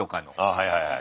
あはいはいはい。